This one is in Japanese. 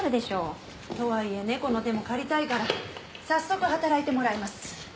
とはいえ猫の手も借りたいから早速働いてもらいます。